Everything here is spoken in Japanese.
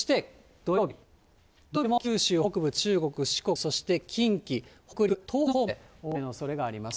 土曜日も、九州北部、中国、四国、そして近畿、北陸、東北のほうまで大雨のおそれがあります。